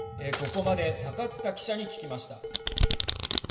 ここまで高塚記者に聞きました。